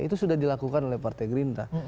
itu sudah dilakukan oleh partai gerindra